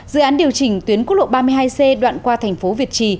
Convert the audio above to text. dự án điều chỉnh tuyến quốc lộ ba mươi hai c đoạn qua thành phố việt trì